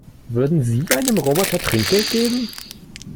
Würden Sie einem Roboter Trinkgeld geben?